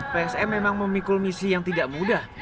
psm memang memikul misi yang tidak mudah